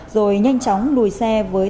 rồi nhanh chóng đùi xe vào đường đi